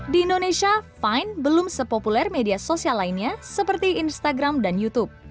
di indonesia fine belum sepopuler media sosial lainnya seperti instagram dan youtube